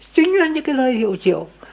chính là những cái lời hiệu triệu